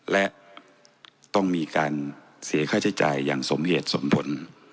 และต้องมีการเสียค่าใช้จ่ายอย่างสมเหตุสมผล